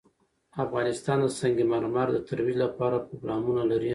افغانستان د سنگ مرمر د ترویج لپاره پروګرامونه لري.